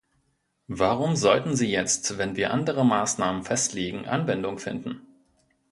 Warum sollten sie jetzt, wenn wir andere Maßnahmen festlegen, Anwendung finden?